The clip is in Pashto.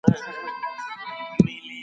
د وریښتانو کمول د توېدو مخه نه نیسي.